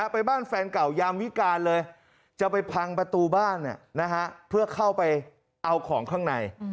ไปบ้านแฟนเก่ายามวิการเลยจะไปพังประตูบ้านเพื่อเข้าไปเอาของข้างใน